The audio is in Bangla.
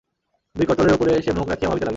দুই করতলের উপরে সে মুখ রাখিয়া ভাবিতে লাগিল।